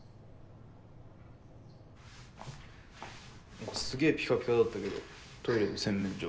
・何かすげぇぴかぴかだったけどトイレと洗面所。